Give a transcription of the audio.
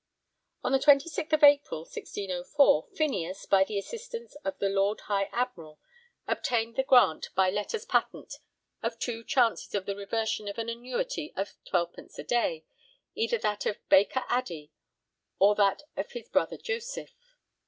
On 26th April 1604 Phineas, by the assistance of the Lord High Admiral, obtained the grant by letters patent of two chances of the reversion of an annuity of 12_d._ a day, either that of Baker Addey or that of his brother Joseph.